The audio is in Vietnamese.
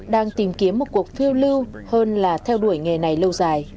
đang tìm kiếm một cuộc phiêu lưu hơn là theo đuổi nghề này lâu dài